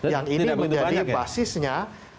yang ini menjadi basisnya